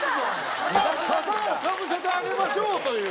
笠をかぶせてあげましょうという。